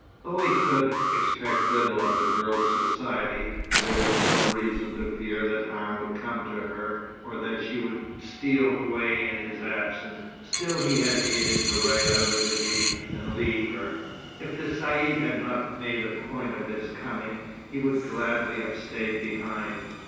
Though he could expect little of the girl's society, and there was little reason to fear that harm would come to her, or that she would steal away in his absence, still he had hated to ride out of the gate and leave her. If the Caïd had not made a point of his coming, he would gladly have stayed behind.